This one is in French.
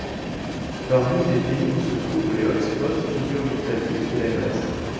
Parmi les pays où se trouvent des hotspots figurent l'Italie et la Grèce.